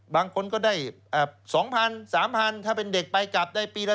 บางคนก็ได้๒๐๐๓๐๐ถ้าเป็นเด็กไปกลับได้ปีละ